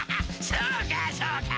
そうかそうか！